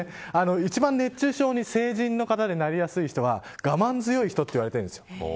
一番熱中症に成人の方でなりやすい人は我慢強い人だと言われているんですよ。